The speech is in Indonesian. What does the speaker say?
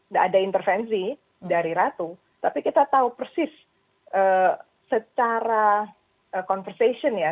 tidak ada intervensi dari ratu tapi kita tahu persis secara conversation ya